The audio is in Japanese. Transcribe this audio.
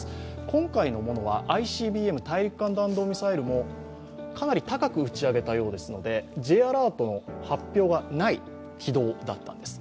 今回のものは、ＩＣＢＭ＝大陸間弾道ミサイルもかなり高く打ち上げたようですのでＪアラートの発表がない軌道だったんです。